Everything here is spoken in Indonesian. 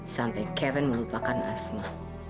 sampai kevin melupakan asma